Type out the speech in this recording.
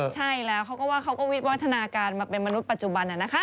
ใช่แล้วเขาก็ว่าเขาก็วิวัฒนาการมาเป็นมนุษย์ปัจจุบันนะคะ